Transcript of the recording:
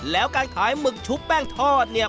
แล้วการขายหมึกชุบแป้งทอดเนี่ย